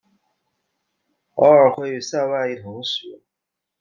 偶尔会与塞外一同使用。